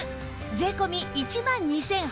税込１万２８００円